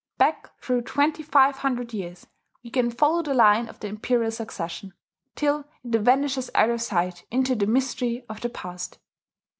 Back through twenty five hundred years we can follow the line of the imperial succession, till it vanishes out of sight into the mystery of the past.